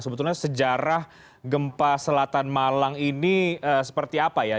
sebetulnya sejarah gempa selatan malang ini seperti apa ya